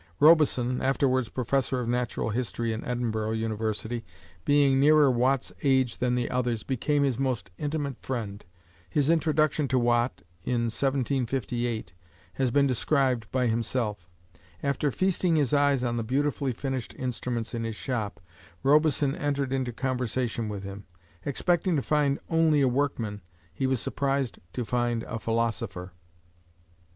Robison (afterwards Professor of natural history in Edinburgh University), being nearer Watt's age than the others, became his most intimate friend. His introduction to Watt, in 1758, has been described by himself. After feasting his eyes on the beautifully finished instruments in his shop, Robison entered into conversation with him. Expecting to find only a workman, he was surprised to find a philosopher.